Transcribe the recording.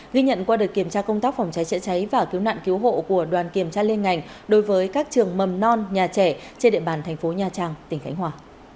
ghi nhận qua đợt kiểm tra công tác phòng cháy chữa cháy và cứu nạn cứu hộ của đoàn kiểm tra liên ngành đối với các trường mầm non nhà trẻ trên địa bàn thành phố nha trang tỉnh khánh hòa